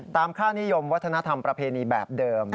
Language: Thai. ค่านิยมวัฒนธรรมประเพณีแบบเดิม